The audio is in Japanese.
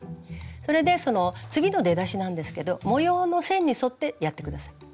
それで次の出だしなんですけど模様の線に沿ってやって下さい。